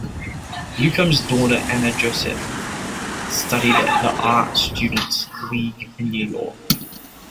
Newcomb's daughter Anna Josepha studied at the Art Students' League in New York.